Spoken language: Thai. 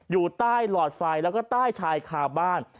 อยู่ใต้หลอดไฟแล้วก็ใต้ชายคาบ้าน